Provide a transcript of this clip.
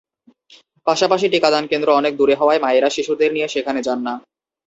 পাশাপাশি টিকাদানকেন্দ্র অনেক দূরে হওয়ায় মায়েরা শিশুদের নিয়ে সেখানে যান না।